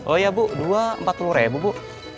oh ya bu dua empat puluh ribu bu